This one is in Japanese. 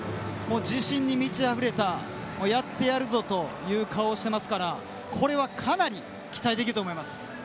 自信に満ちあふれたやってやるぞという顔をしていますからかなり期待できると思います。